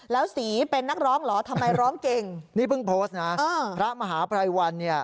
แล้วศรีเป็นนักร้องเหรอทำไมร้องเก่งนี่เพิ่งครับถ้าพระมหาพรายวรรณ